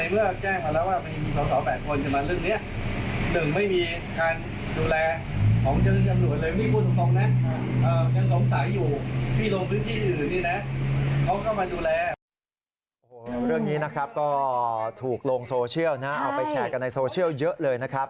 เรื่องนี้นะครับก็ถูกลงโซเชียลนะเอาไปแชร์กันในโซเชียลเยอะเลยนะครับ